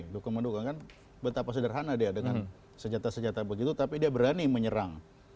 dukung mendukung kan betapa sederhana dia dengan senjata senjata begitu tapi dia berani menyerang